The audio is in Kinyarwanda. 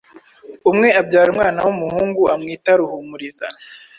Umwe abyara umwana w’umuhungu amwita Ruhumuriza.